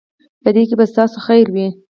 په دې کې به ستاسو خیر وي.